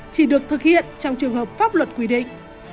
chỉ được thực hiện trong trường hợp pháp luật quy định